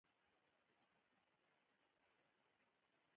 د دوستانو خندا خوږ غږ لري